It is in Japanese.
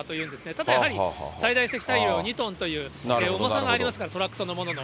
ただやはり、最大積載量は２トンという重さありますから、トラックそのものの。